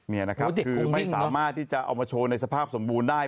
นี่นะครับคือไม่สามารถที่จะเอามาโชว์ในสภาพสมบูรณ์ได้